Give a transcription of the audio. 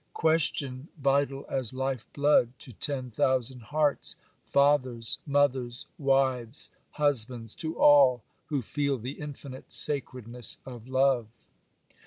Question vital as life blood to ten thousand hearts,—fathers, mothers, wives, husbands,—to all who feel the infinite sacredness of love!